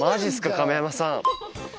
亀山さん